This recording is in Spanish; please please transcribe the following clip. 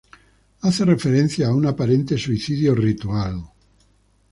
Hace referencia a un aparente suicidio ritual.